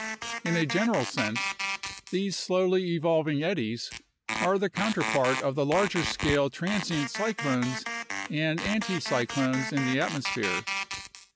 In a general sense, these slowly evolving eddies are the counterpart of the larger scale transient cyclones and anticyclones in the atmosphere.